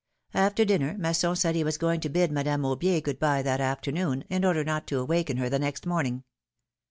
After dinner, Masson said he was going to bid Madame Aubier good bye that afternoon,, in order not to awaken her the next morning.